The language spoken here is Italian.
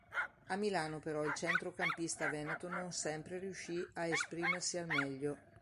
A Milano però il centrocampista veneto non sempre riuscì a esprimersi al meglio.